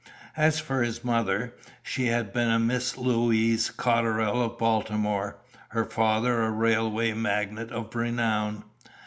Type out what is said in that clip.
As for his mother, she had been a Miss Louise Cotterrell of Baltimore, her father a railway magnate of renown.